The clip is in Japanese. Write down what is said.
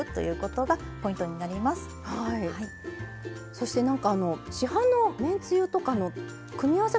そして何か市販のめんつゆとかの組み合わせ方も。